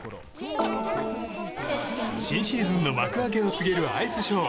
新シーズンの幕開けを告げるアイスショー。